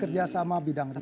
kerjasama bidang riset